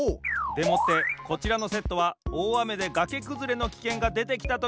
でもってこちらのセットはおおあめでがけくずれのきけんがでてきたときの避難場所。